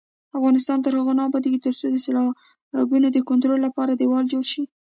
افغانستان تر هغو نه ابادیږي، ترڅو د سیلابونو د کنټرول لپاره دېوالونه جوړ نشي.